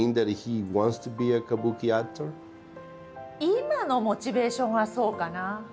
今のモチベーションはそうかな。